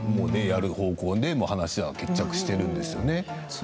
やる方向で話が決着してるんですね。